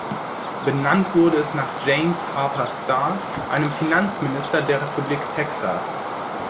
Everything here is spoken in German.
Benannt wurde es nach James Harper Starr, einem Finanzminister der Republik Texas.